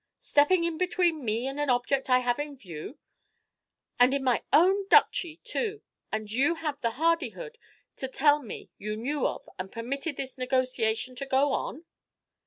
"Stepping in between me and an object I have in view! And in my own Duchy, too! And you have the hardihood to tell me that you knew of and permitted this negotiation to go on?"